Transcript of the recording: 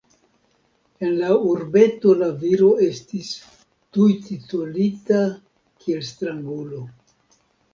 En la urbeto la viro estis tuj titolita kiel strangulo.